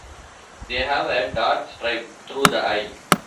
They have a dark stripe through the eye.